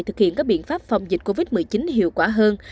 thực hiện các biện pháp phòng dịch covid một mươi chín hiệu quả hơn